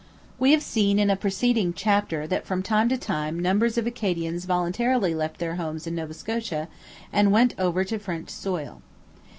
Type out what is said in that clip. We have seen in a preceding chapter that from time to time numbers of Acadians voluntarily left their homes in Nova Scotia and went over to French soil.